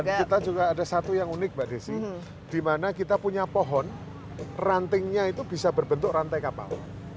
dan kita juga ada satu yang unik mbak desi dimana kita punya pohon rantingnya itu bisa berbentuk rantai kapal